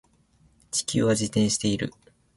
地球は自転している